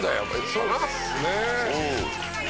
そうっすね。